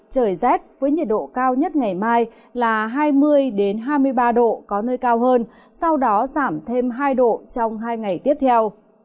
trời rét với nhiệt độ cao nhất ngày mai là hai mươi hai mươi ba độ có nơi cao hơn sau đó giảm thêm hai độ trong hai ngày tiếp theo